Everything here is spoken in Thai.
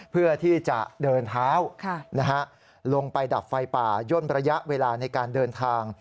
เพื่อที่จะเดินเท้าลงไปดับไฟป่าย่นระยะเวลาในการเดินทาง